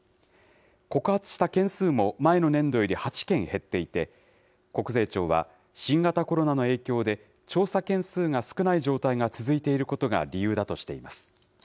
告発した件数も、前の年度より８件減っていて、国税庁は新型コロナの影響で、調査件数が少ない状態が続いていることが理由だとしています。